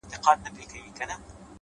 • زلفي راټال سي گراني ؛